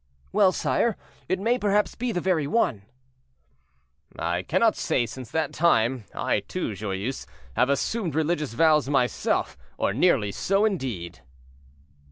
"Well, sire, it may perhaps be the very one." "I cannot say; since that time, I too, Joyeuse, have assumed religious vows myself, or nearly so, indeed."